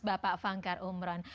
bapak fangkar omron